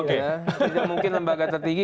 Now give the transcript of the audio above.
tidak mungkin lembaga tertinggi